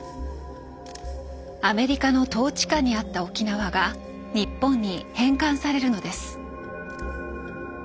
アメリカの統治下にあった沖縄が日本に返還されるのです。